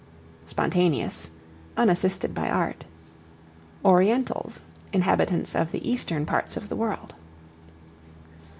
Spontaneous, unassisted by art. Orientals, inhabitants of the Eastern parts of the world.